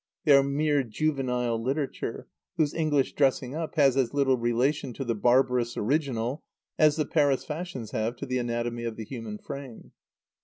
They are mere juvenile literature, whose English dressing up has as little relation to the barbarous original as the Paris fashions have to the anatomy of the human frame.